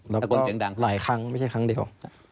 แล้วก็หลายครั้งไม่ใช่ครั้งเดียว